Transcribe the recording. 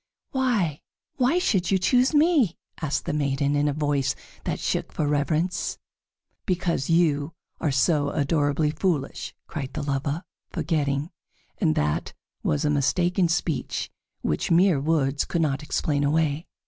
"Why, why should you choose me?" asked the maiden, in a voice that shook for reverence. "Because you are so adorably foolish!" cried the lover, forgetting, and that was a mistaken speech, which mere words could not explain away.